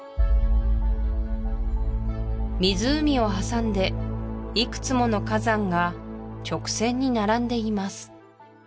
湖を挟んでいくつもの火山が直線に並んでいます